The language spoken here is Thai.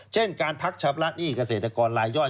เช่นการพักชับรักษณีย์เกษตรกรรายย่อย